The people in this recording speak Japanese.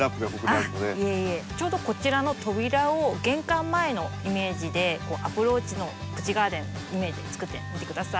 ちょうどこちらの扉を玄関前のイメージでアプローチのプチガーデンイメージつくってみてください。